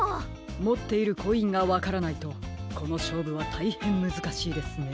もっているコインがわからないとこのしょうぶはたいへんむずかしいですね。